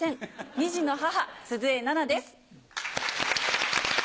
二児の母鈴江奈々です。